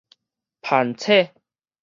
攀扯